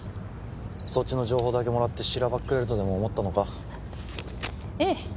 そっちの情報だけもらってしらばっくれるとでも思ったのかええ